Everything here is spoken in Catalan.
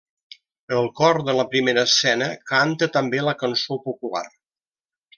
El cor de la primera escena canta també la cançó popular.